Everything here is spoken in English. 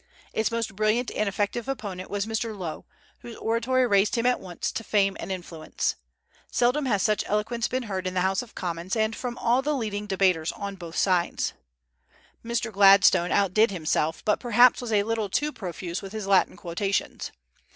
Its most brilliant and effective opponent was Mr. Lowe, whose oratory raised him at once to fame and influence. Seldom has such eloquence been heard in the House of Commons, and from all the leading debaters on both sides. Mr. Gladstone outdid himself, but perhaps was a little too profuse with his Latin quotations.